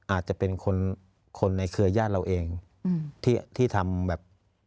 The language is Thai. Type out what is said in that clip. อาจจะเป็นคนในเครือญาติเราเองที่ทำแบบ